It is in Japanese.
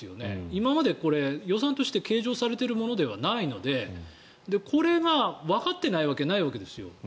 今まで、これ、予算として計上されているものではないのでこれがわかってないわけないわけですよ。